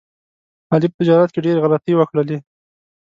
علي په تجارت کې ډېر غلطۍ وکړلې.